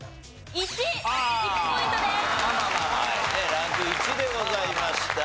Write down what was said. ランク１でございました。